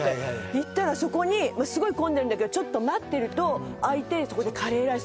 行ったらすごい混んでるんだけどちょっと待ってると空いてそこで。